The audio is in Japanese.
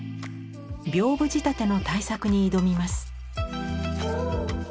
屏風仕立ての大作に挑みます。